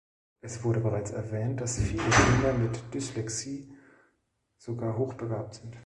Es wurde bereits erwähnt, dass viele Kinder mit Dyslexie sogar hochbegabt sind.